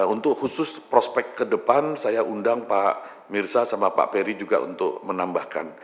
untuk khusus prospek kedepan saya undang pak mirza sama pak ferry juga untuk menambahkan